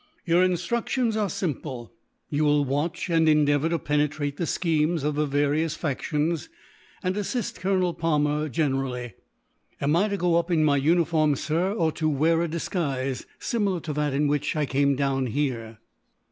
"Your instructions are simple. You will watch, and endeavour to penetrate the schemes of the various factions, and assist Colonel Palmer generally." "Am I to go up in my uniform, sir; or to wear a disguise, similar to that in which I came down here?"